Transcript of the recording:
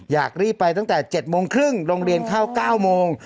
อยากรีบไปตั้งแต่๗โมงครึ่งโรงเรียนเข้า๙โมง